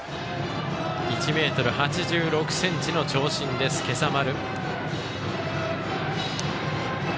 １ｍ８６ｃｍの長身です、今朝丸。